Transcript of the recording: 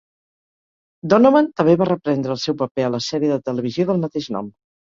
Donovan també va reprendre el seu paper a la sèrie de televisió del mateix nom.